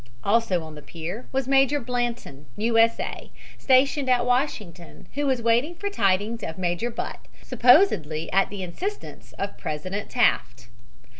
Also on the pier was Major Blanton, U. S. A., stationed at Washington, who was waiting for tidings of Major Butt, supposedly at the instance of President Taft.